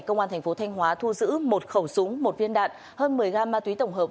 công an tp thanh hóa thu giữ một khẩu súng một viên đạn hơn một mươi gram ma túy tổng hợp